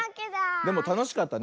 でもたのしかったね